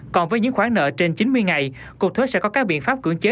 còn với những khoản nợ trên chín mươi ngày cục thuế sẽ có các biện pháp cưỡng chế